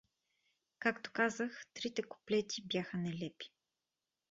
Както казах, трите куплети бяха нелепи.